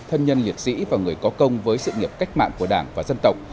thân nhân liệt sĩ và người có công với sự nghiệp cách mạng của đảng và dân tộc